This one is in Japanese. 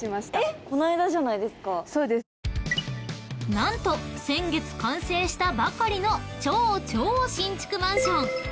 ［何と先月完成したばかりの超超新築マンション！］